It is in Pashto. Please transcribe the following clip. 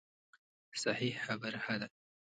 صحیح خبره ښه ده.